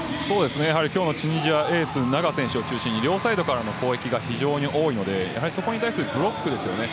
今日のチュニジアエースのナガ選手を中心に両サイドからの攻撃が非常に多いのでそこに対するブロックですね。